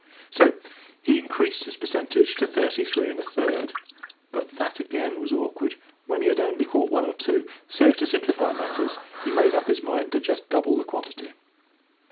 So he increased his percentage to thirty three and a third; but that, again, was awkward, when he had only caught one or two; so, to simplify matters, he made up his mind to just double the quantity.